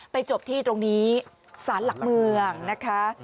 จบที่ตรงนี้ศาลหลักเมืองนะคะ